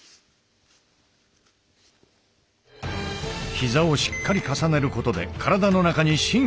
ひざをしっかり重ねることで体の中に芯をつくる。